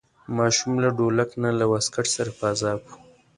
ماشوم له ډولک نه له واسکټ سره په عذاب و.